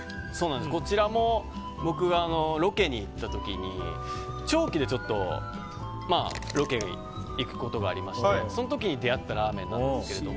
こちらも僕がロケに行った時に長期でロケに行くことがあってその時、出会ったラーメンなんですけど。